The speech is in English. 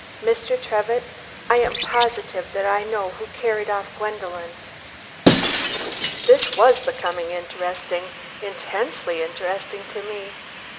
Mr. Trevitt, I am positive that I know who carried off Gwendolen." This was becoming interesting, intensely interesting to me.